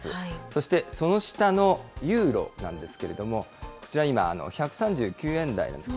そしてその下のユーロなんですけれども、こちら今、１３９円台なんです。